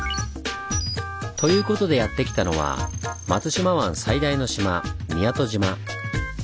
ということでやって来たのは松島湾最大の島宮戸島。